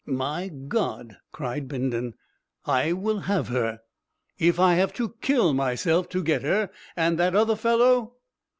"My God!" cried Bindon: "I will have her! If I have to kill myself to get her! And that other fellow